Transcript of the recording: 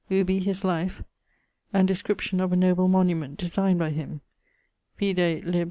ubi his life, and description of a noble monument designed by him. Vide lib.